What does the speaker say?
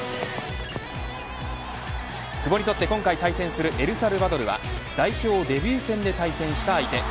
久保にとって今回対戦するエルサルバドルは代表デビュー戦で対戦した相手。